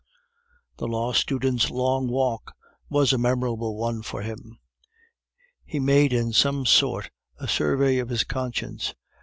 The law student's long walk was a memorable one for him. He made in some sort a survey of his conscience.